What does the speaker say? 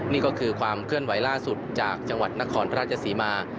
นี่ก็คือความเคลื่อนไหวล่าสุดจากจังหวัดนครราชศรีมา